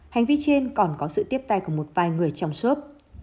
hành vi trên còn có sự tiếp tay của một vài người trong shop